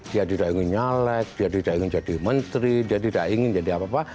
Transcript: dia tidak ingin nyalek dia tidak ingin jadi menteri dia tidak ingin jadi apa apa